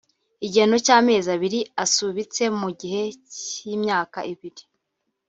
Igihano cy’amezi abiri asubitse mu gihe cy’imyaka ibiri